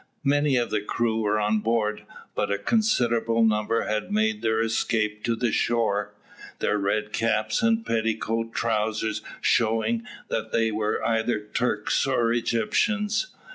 Many of the crew were on board, but a considerable number had made their escape to the shore, their red caps and petticoat trousers showing that they were either Turks or Egyptians.